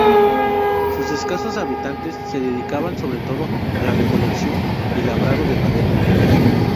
Sus escasos habitantes se dedicaban, sobre todo, a la recolección y labrado de madera.